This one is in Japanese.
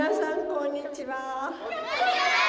こんにちは！